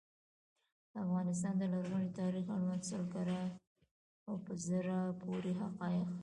د افغانستان د لرغوني تاریخ اړوند سل کره او په زړه پوري حقایق.